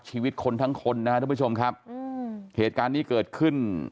ชีวิตคนทั้งคนด้วยผู้ชมครับเหตุการณ์นี้เกิดขึ้น